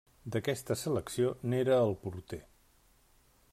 D'aquesta selecció n'era el porter.